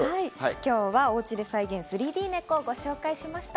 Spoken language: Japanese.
今日はおうちで再現３Ｄネコをご紹介しました。